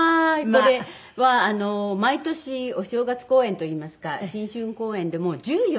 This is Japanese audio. これは毎年お正月公演といいますか新春公演でもう１４年続いている。